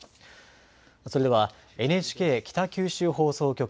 それではＮＨＫ北九州放送局